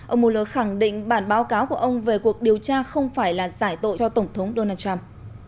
ông mueller khẳng định bản báo cáo của ông về cuộc điều tra không phải là giải tội cho tổng thống donald trump